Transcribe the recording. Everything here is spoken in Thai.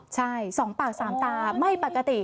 ใช่๒ปาก๓ตาไม่ปกติ